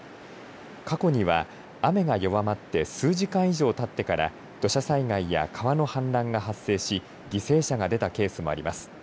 過去には雨が弱まって数時間以上たってから土砂災害や川の氾濫が発生し犠牲者が出たケースもあります。